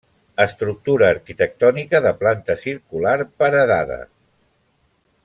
Estructura arquitectònica de planta circular, paredada.